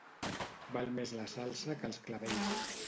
Val més la salsa que els clavells.